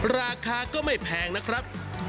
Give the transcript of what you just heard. ราคาก็ไม่แพงนะครับ